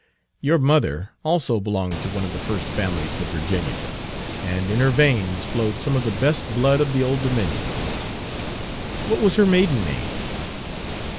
"Your mother also belonged to one of the first families of Virginia, and in her veins flowed some of the best blood of the Old Dominion." "What was her maiden name?"